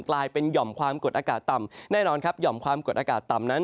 กลายเป็นหย่อมความกดอากาศต่ำแน่นอนครับหย่อมความกดอากาศต่ำนั้น